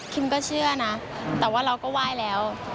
ก็เชื่อนะแต่ว่าเราก็ไหว้แล้ว